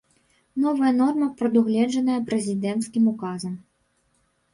Новая норма прадугледжаная прэзідэнцкім указам.